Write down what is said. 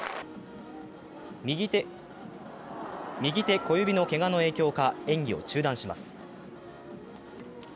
右手小指のけがの影響か、演技を中断します。